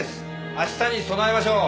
明日に備えましょう。